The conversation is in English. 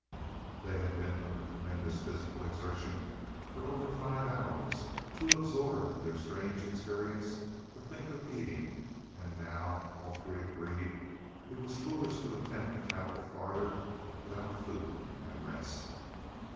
They had been under tremendous physical exertion for over five hours, too absorbed in their strange experiences to think of eating, and now all three agreed it was foolish to attempt to travel farther without food and rest.